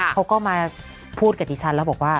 เขาก็มาพูดกับดิฉันแล้วบอกว่า